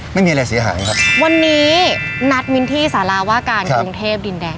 ไม่มีอะไรเสียหายครับวันนี้นัดมิ้นที่สาราว่าการกรุงเทพดินแดง